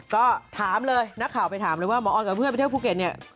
ก็ถามเลยนักข่าวไปถามเลยว่าหมอออนกับเพื่อนไปเที่ยวภูเก็ตเนี่ย